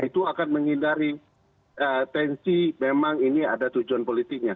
itu akan menghindari tensi memang ini ada tujuan politiknya